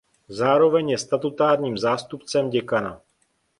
Zároveň je statutárním zástupcem děkana.